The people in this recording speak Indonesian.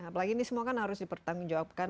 apalagi ini semua kan harus dipertanggung jawabkan